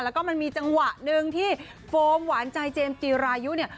แล้วก็มันมีจังหวะหนึ่งที่โฟมหวานใจเจมส์จีรายุเนี่ย